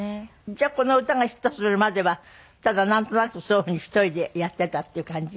じゃあこの歌がヒットするまではただなんとなくそういうふうに１人でやっていたっていう感じ？